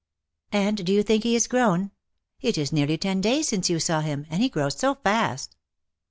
" And do you think he is grown? It is nearly ten days since you saw him, and he grows so fast."